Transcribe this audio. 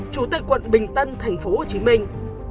chủ tịch quận bình tân thành phố hồ chí minh